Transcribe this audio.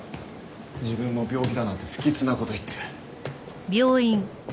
自分も病気だなんて不吉な事言って。